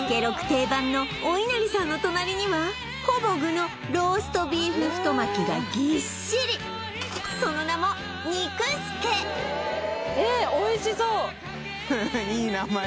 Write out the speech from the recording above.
定番のおいなりさんの隣にはほぼ具のローストビーフ太巻きがギッシリその名もえっ！